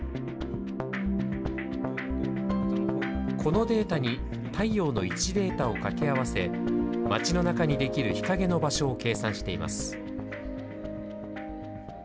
このデータに太陽の位置データをかけ合わせ、街の中にできる日陰の場所を計算しています。